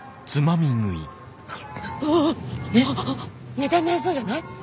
ネタになりそうじゃない？